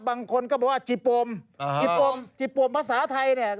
บางคนก็บอกว่าจิปโปมอ่าฮะจิปโปมจิปโปมภาษาไทยเนี้ย